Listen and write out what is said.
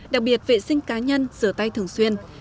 đặc biệt vệ sinh cá nhân rửa tay thường xuyên